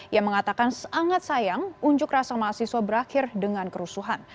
yang mengatakan sangat sayang unjuk rasa mahasiswa berakhir dengan kerusuhan